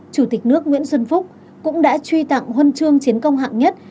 chủ tịch nước nguyễn xuân phúc cũng đã truy tặng huân chương chiến công hạng nhất